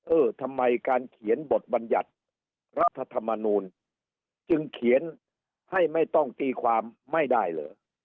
เออทำไมการเขียนบทบัญญัติรัฐธรรมนูลจึงเขียนให้ไม่ต้องตีความไม่ได้เหรอ